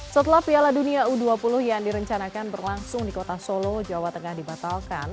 setelah piala dunia u dua puluh yang direncanakan berlangsung di kota solo jawa tengah dibatalkan